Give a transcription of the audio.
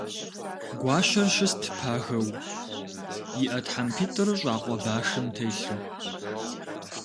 Гуащэр щыст пагэу, и Ӏэ тхьэмпитӀыр щӀакъуэ башым телъу.